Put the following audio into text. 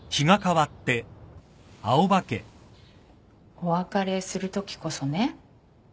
お別れするときこそね